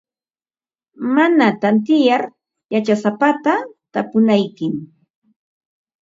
Mana tantiyar yachasapata tapunaykim.